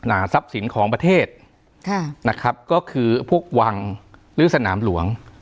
ทรัพย์สินของประเทศค่ะนะครับก็คือพวกวังหรือสนามหลวง